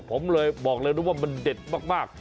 ผมเลยบอกเลยนะว่ามันเด็ดมาก